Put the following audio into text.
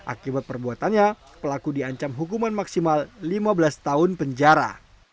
akibat perbuatannya pelaku diancam hukuman maksimal lima belas tahun penjara